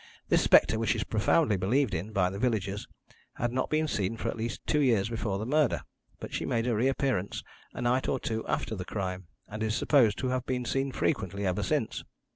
This spectre, which is profoundly believed in by the villagers, had not been seen for at least two years before the murder, but she made a reappearance a night or two after the crime, and is supposed to have been seen frequently ever since.